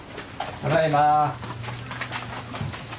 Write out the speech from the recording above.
ただいま。